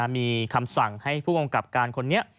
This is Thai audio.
มีคำสั่งให้ผู้กำกับการคนนี้